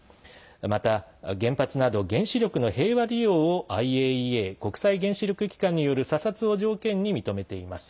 また、原発など原子力の平和利用をＩＡＥＡ＝国際原子力機関による査察を条件に認めています。